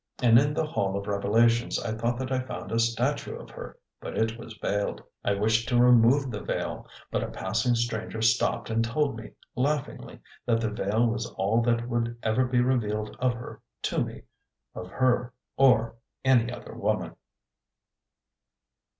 And in the hall of revelations I thought that I found a statue of her but it was veiled. I wished to remove the veil, but a passing stranger stopped and told me laughingly that the veil was all that would ever be revealed of her to me of her, or any other woman!